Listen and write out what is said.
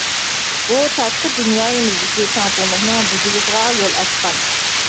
بۇ تاشقى دۇنيايىمىزدىكى تەڭپۇڭلۇقنىڭ بۇزۇلۇشىغا يول ئاچقان.